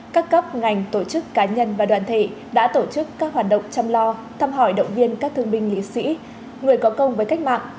các cấp ngành tổ chức cá nhân và đoàn thể đã tổ chức các hoạt động chăm lo thăm hỏi động viên các thương binh nghị sĩ người có công với cách mạng